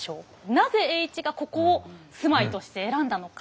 なぜ栄一がここを住まいとして選んだのか。